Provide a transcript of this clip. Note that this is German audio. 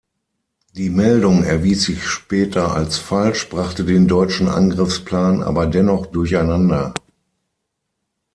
Die Meldung erwies sich später als falsch, brachte den deutschen Angriffsplan aber dennoch durcheinander.